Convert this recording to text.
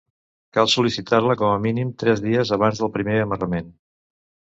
Cal sol·licitar-la com a mínim tres dies abans del primer amarrament.